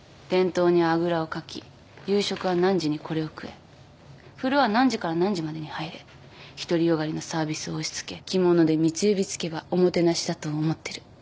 伝統にあぐらをかき「夕食は何時にこれを食え」「風呂は何時から何時までに入れ」独り善がりのサービスを押し付け着物で三つ指つけばおもてなしだと思ってる。